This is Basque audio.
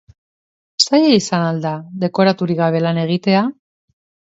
Zaila izan al da dekoraturik gabe lan egitea?